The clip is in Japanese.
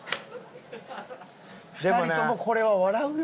２人ともこれは笑うよ。